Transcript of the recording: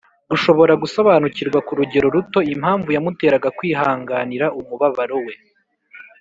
gushobora gusobanukirwa ku rugero ruto impamvu yamuteraga kwihanganira umubabaro we